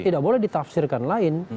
tidak boleh ditafsirkan lain